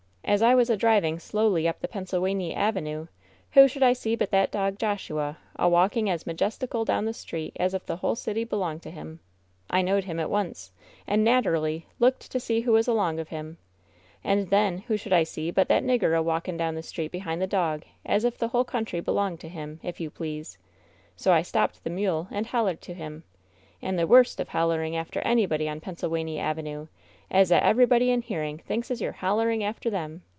As I was a driving slowly up the Pennsylwany Avenue who i" v ' •shoulc' I see but that dog, Joshua, a walking as majesti cal down the ntreet as if the whole city belonged to him. I know fd him at once, and naterally looked to see who was a) ;ng of him. And then who should I see but that ^ niggar a walking down the street behind the dog as if the whole country belonged to him, if you please. So I WHEN SHADOWS DIE 181 stopped the ipule and hollered to him. And the wnst of hollering after anybody on Pennsylwanx 4s?^^e is that everybody in hearing thinks as you're hollering _ after them.